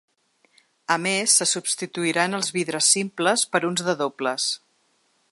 A més, se substituiran els vidres simples per uns de dobles.